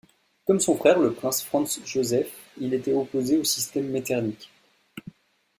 Comme son frère, le prince Franz Joseph, il était opposé au système Metternich.